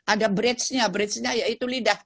ada bridge nya bridge nya yaitu lidah